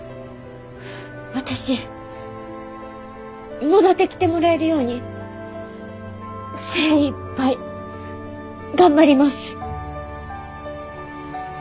私戻ってきてもらえるように精いっぱい頑張ります。